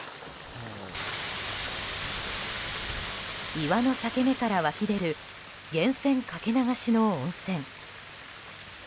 岩の裂け目から湧き出る源泉かけ流しの温泉。